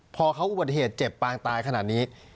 พอเขาอุบัติเหตุเจ็บปางตายขนาดนี้